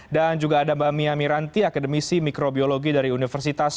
dan juga ada mbak mia miranti akademisi mikrobiologi dari universitas